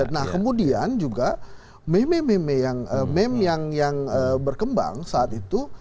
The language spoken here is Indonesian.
nah kemudian juga meme meme yang berkembang saat itu